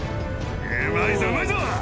うまいぞ、うまいぞ。